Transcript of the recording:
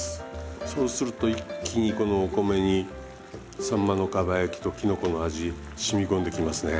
そうすると一気にこのお米にさんまのかば焼きときのこの味染み込んでいきますね。